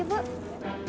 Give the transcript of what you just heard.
sampai jumpa lagi